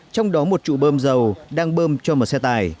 trong đó một trụ bơm dầu đang bơm cho một xe tải